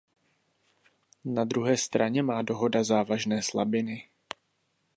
Na druhé straně má dohoda závažné slabiny.